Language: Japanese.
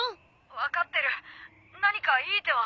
分かってる何かいい手は？